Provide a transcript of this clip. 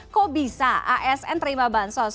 kok bisa asn terima bansos